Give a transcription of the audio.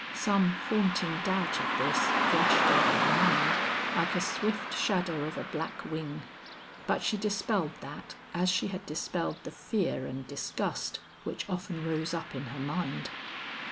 Some haunting doubt of this flashed over her mind like a swift shadow of a black wing, but she dispelled that as she had dispelled the fear and disgust which often rose up in her mind.